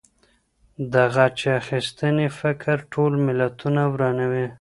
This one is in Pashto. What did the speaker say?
د غچ اخیستنې فکر ټول ملتونه ورانوي.